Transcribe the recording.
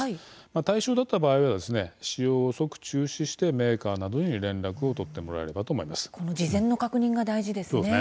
対象だった場合は使用を即中止してメーカーなどに連絡を取ってもらえればと事前の確認が大事ですね。